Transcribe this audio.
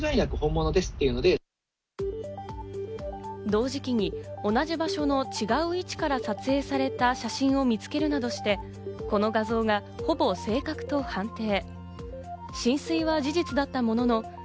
同時期に同じ場所の違う位置から撮影された写真を見つけるなどして、この画像がほぼ正確と判定。